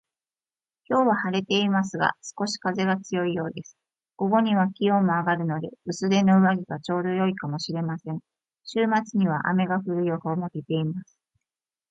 今日は晴れていますが、少し風が強いようです。午後には気温も上がるので、薄手の上着がちょうど良いかもしれません。週末には雨が降る予報も出ています